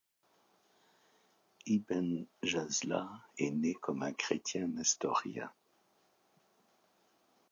Ibn Jazla est né comme un chrétien nestorien.